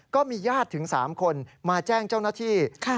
ก็มีญาติถึง๓คนมาแจ้งเจ้าหน้าที่